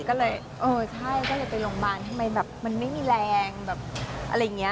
ก็เลยเออใช่ก็เลยไปโรงพยาบาลทำไมแบบมันไม่มีแรงแบบอะไรอย่างนี้